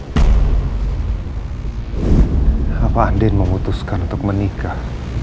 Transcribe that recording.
kenapa andin memutuskan untuk menikah